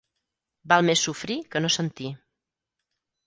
Val més sofrir que no sentir.